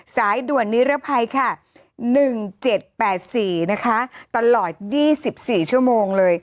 สายด่วนนิรภัยค่ะ๑๗๘๔นะคะตลอด๒๔ชั่วโมงเลย